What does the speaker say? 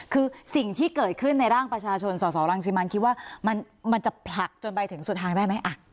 คือสิ่งที่เกิดขึ้นในร่างประชาชนสสรังสิมันคิดว่ามันจะผลักจนไปถึงสุดทางได้ไหม